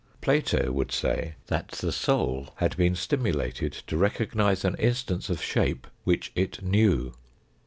Plato would say that the soul had been stimulated to recognise an instance of shape which it knew.